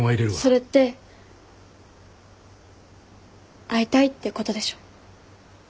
それって会いたいってことでしょ？